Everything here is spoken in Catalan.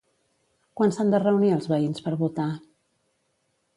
Quan s'han de reunir els veïns per votar?